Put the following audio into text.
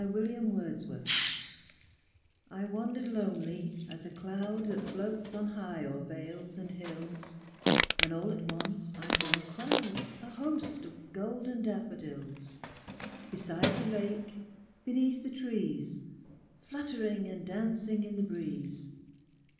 Wood DAFFODILS I wandered lonely as a cloud That floats on high o'er vales and hills, When all at once I saw a crowd, A host of golden daffodils; Beside the lake, beneath the trees, Fluttering and dancing in the breeze.